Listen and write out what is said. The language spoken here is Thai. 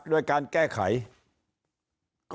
สวัสดีครับท่านผู้ชมครับสวัสดีครับท่านผู้ชมครับ